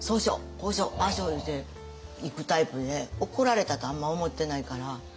こうしようああしよういうていくタイプで怒られたとあんま思ってないから。